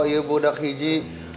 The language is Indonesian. iya budak hiji